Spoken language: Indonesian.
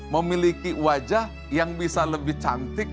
memiliki wajah yang bisa lebih cantik